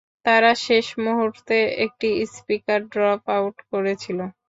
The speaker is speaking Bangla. তারা শেষ মুহূর্তে একটি স্পিকার ড্রপ আউট করেছিল।